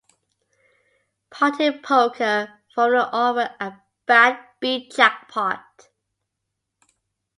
Party Poker formerly offered a bad beat jackpot.